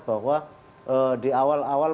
bahwa di awal awal